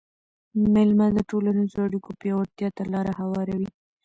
مېله د ټولنیزو اړیکو پیاوړتیا ته لاره هواروي.